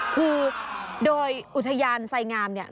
คือโดยอุทยานไสงามเนี่ย